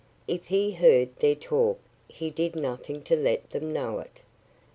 If he heard their talk he did nothing to let them know it.